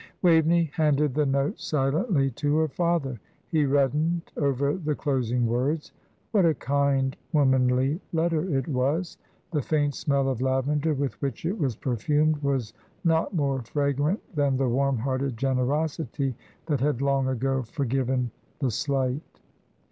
Waveney handed the note silently to her father; he reddened over the closing words. What a kind, womanly letter it was. The faint smell of lavender with which it was perfumed was not more fragrant than the warm hearted generosity that had long ago forgiven the slight.